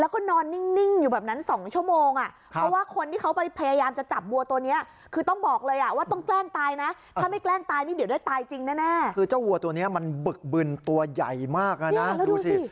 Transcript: คือเจ้าหัวตัวนี้มันบึกบึนตัวใหญ่มากดูสิ